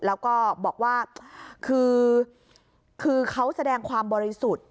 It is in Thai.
แล้วก็บอกว่าคือเขาแสดงความบริสุทธิ์